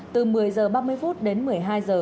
từ một mươi h ba mươi đến một mươi hai h